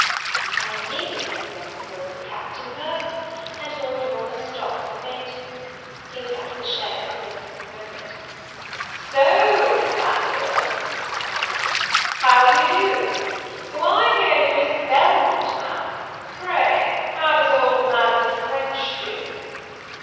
I immediately recollected the voice of Captain Mirvan; and Lord Orville stopped the phaeton. He was out of the chaise, and with us in a moment. "So, Miss Anville," cried he, "how do you do? So I hear you're Miss Belmont now; pray, how does old Madame French do?"